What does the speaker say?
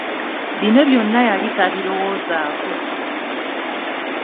Bino byonna yali tabirowoozako.